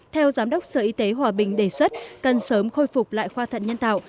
theo giám đốc sở y tế hòa bình đề xuất cần sớm khôi phục lại khoa thận nhân tạo